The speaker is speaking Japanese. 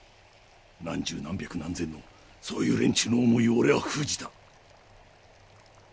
何十何百何千のそういう連中の思いを俺は封じた。